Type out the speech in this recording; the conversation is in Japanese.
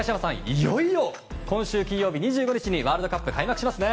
いよいよ今週金曜日２５日にワールドカップ開幕しますね。